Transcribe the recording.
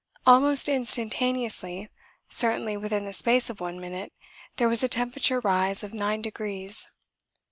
Almost instantaneously, certainly within the space of one minute, there was a temperature rise of nine degrees.